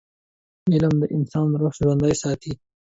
علم د انسان روح ژوندي ساتي.